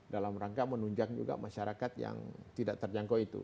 dalam rangka menunjang juga masyarakat yang tidak terjangkau itu